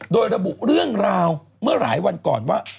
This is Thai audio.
โดยระบุเรื่องราวเมื่อหลายวันก่อนว่า